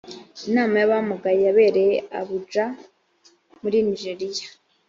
inamay’ abamugaye yabereye abuja muri nigeria